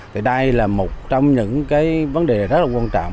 thì đây là một trong những cái vấn đề rất là quan trọng